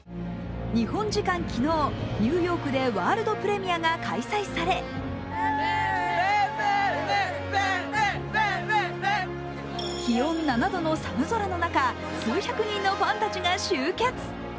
日本時間昨日、ニューヨークでワールドプレミアが開催され気温７度の寒空の中数百人のファンたちが集結。